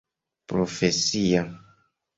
profesia